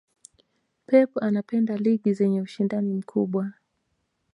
pep anapenda ligi zenye ushindani mkubwa